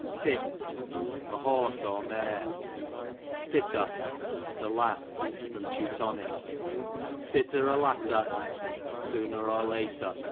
Tit, a horse, or mare. Titter, to laugh. Teu. Titter or latter, sooner or later.